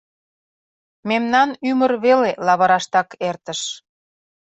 Мемнан ӱмыр веле лавыраштак эртыш...